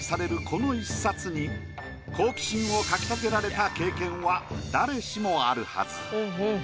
この１冊に好奇心をかき立てられた経験は誰しもあるはず。